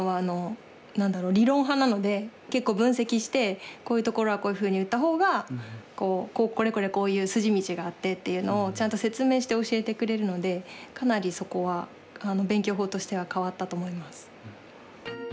結構分析してこういうところはこういうふうに打った方がこれこれこういう筋道があってっていうのをちゃんと説明して教えてくれるのでかなりそこは勉強法としては変わったと思います。